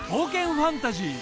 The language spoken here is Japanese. ファンタジー